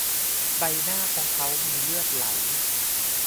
ใบหน้าของเขามีเลือดไหล